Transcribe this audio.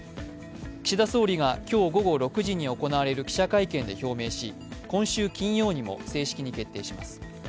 岸田総理が今日午後６時に行われる記者会見で表明し、今週金曜にも正式に決定します。